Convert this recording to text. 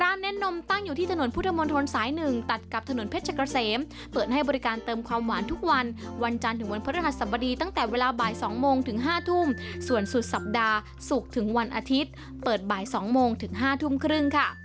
เน้นนมตั้งอยู่ที่ถนนพุทธมนตรสาย๑ตัดกับถนนเพชรเกษมเปิดให้บริการเติมความหวานทุกวันวันจันทร์ถึงวันพระฤหัสบดีตั้งแต่เวลาบ่าย๒โมงถึง๕ทุ่มส่วนสุดสัปดาห์ศุกร์ถึงวันอาทิตย์เปิดบ่าย๒โมงถึง๕ทุ่มครึ่งค่ะ